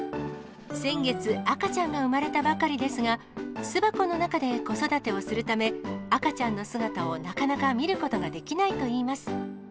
先月、赤ちゃんが生まれたばかりですが、巣箱の中で子育てをするため、赤ちゃんの姿をなかなか見ることができないといいます。